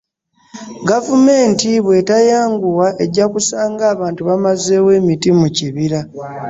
Gavumenti bw'etayanguwa egyakusanga abantu bamazeewo emiti mu kibira.